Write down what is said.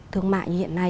thương mại như hiện nay